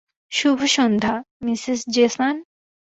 শুভ সন্ধ্যা, Mrs Jason.